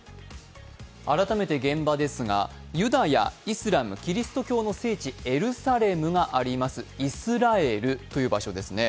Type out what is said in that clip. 改めて現場ですが、ユダヤ・イスラム・キリスト教の聖地、エルサレムがありますイスラエルという場所ですね。